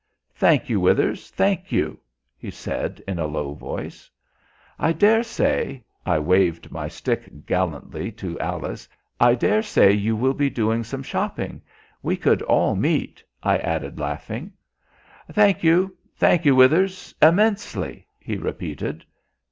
"Thank you, Withers, thank you," he said in a low voice. "I dare say" I waved my stick gallantly to Alice "I dare say you will be doing some shopping; we could all meet," I added, laughing. "Thank you, thank you, Withers immensely;" he repeated.